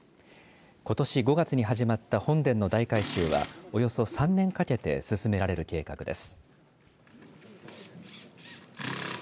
ことし５月に始まった本殿の大改修はおよそ３年かけて進められる計画です。